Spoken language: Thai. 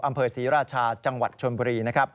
อำเภอศรีราชาจังหวัดชนบุรีนะครับ